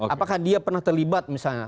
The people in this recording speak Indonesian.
apakah dia pernah terlibat misalnya